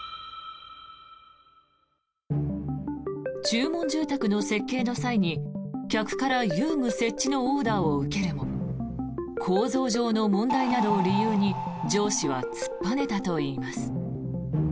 注文住宅の設計の際に客から遊具設置のオーダーを受けるも構造上の問題などを理由に上司は突っぱねたといいます。